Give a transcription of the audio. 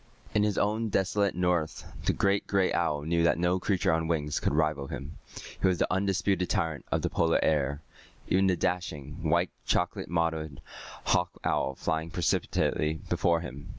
In his own desolate north the great gray owl knew that no creature on wings could rival him. He was the undisputed tyrant of the Polar air, even the dashing, white chocolate mottled hawk owl flying precipitately before him.